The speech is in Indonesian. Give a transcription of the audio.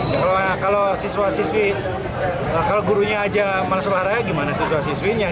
ya kalau siswa siswi kalau gurunya aja malas olahraga gimana siswa siswinya